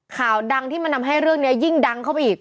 ข่าวดังที่มันทำให้เรื่องนี้ยิ่งดังเข้าไปอีก